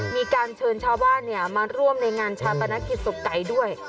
มีการเชิญชาวบ้านมาร่วมในงานชาปนกิจศพไก่ด้วย